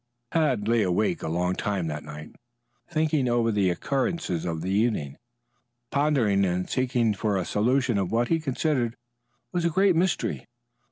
Tad lay awake a long time that night thinking over the occurrences of the evening, pondering and seeking for a solution of what he considered was a great mystery.